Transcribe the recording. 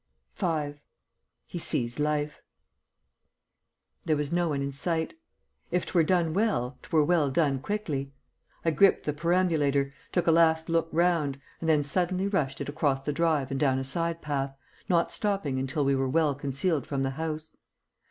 V. HE SEES LIFE There was no one in sight. If 'twere done well, 'twere well done quickly. I gripped the perambulator, took a last look round, and then suddenly rushed it across the drive and down a side path, not stopping until we were well concealed from the house.